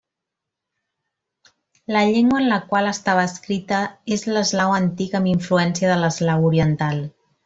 La llengua en la qual estava escrita és l'eslau antic amb influència de l'eslau oriental.